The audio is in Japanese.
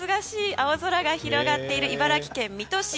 青空が広がっている水戸市。